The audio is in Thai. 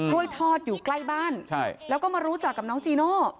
้วยทอดอยู่ใกล้บ้านแล้วก็มารู้จักกับน้องจีโน่